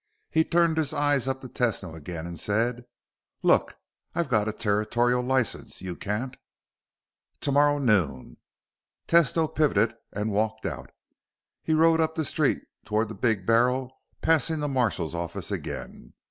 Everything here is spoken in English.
He turned his eyes up to Tesno again and said, "Look, I've got a territorial license. You can't " "Tomorrow noon." Tesno pivoted and walked out. He rode up the street toward the Big Barrel, passing the marshal's office again.